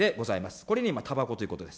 これに今、たばこということです。